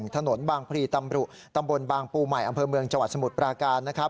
ถนนบางพลีตำรุตำบลบางปูใหม่อำเภอเมืองจังหวัดสมุทรปราการนะครับ